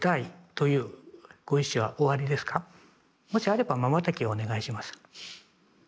もしあればまばたきをお願いします。